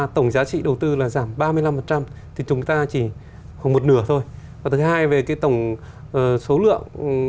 tổng giá trị đầu tư là giảm ba mươi năm thì chúng ta chỉ khoảng một nửa thôi và thứ hai về cái tổng số lượng